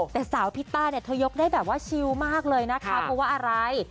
แต่สาวพิตต้าเนี่ยเธอยกได้แบบว่าชิวมากเลยนะคะเพราะว่าอะไร